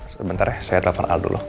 sebentar saya telepon al dulu